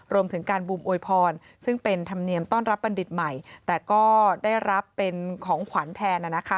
รวมถึงการบูมอวยพรซึ่งเป็นธรรมเนียมต้อนรับบัณฑิตใหม่แต่ก็ได้รับเป็นของขวัญแทน